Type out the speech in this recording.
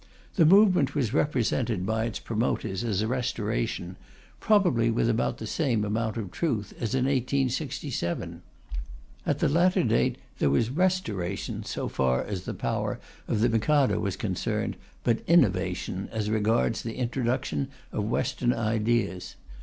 The movement was represented by its promoters as a Restoration, probably with about the same amount of truth as in 1867. At the latter date, there was restoration so far as the power of the Mikado was concerned, but innovation as regards the introduction of Western ideas.